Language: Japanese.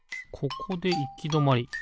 ここでいきどまり。